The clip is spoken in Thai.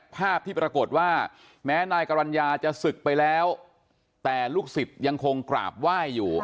ภาพที่ปรากฏว่าแม้นายกรรณญาจะศึกไปแล้วแต่ลูกศิษย์ยังคงกราบไหว้อยู่